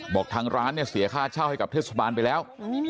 ทางร้านเนี่ยเสียค่าเช่าให้กับเทศบาลไปแล้ว